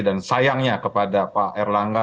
dan sayangnya kepada pak erlangga